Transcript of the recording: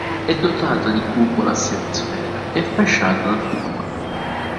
È dotata di cupola a semisfera e fasciata dal tiburio.